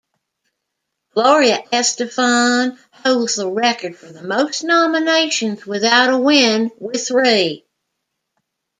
Gloria Estefan holds the record for the most nominations without a win, with three.